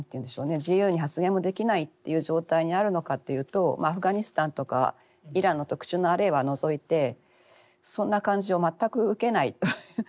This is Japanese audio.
自由に発言もできないっていう状態にあるのかっていうとアフガニスタンとかイランの特殊な例は除いてそんな感じを全く受けないという。